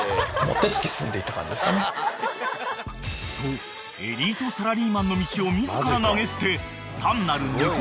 ［とエリートサラリーマンの道を自ら投げ捨て単なる］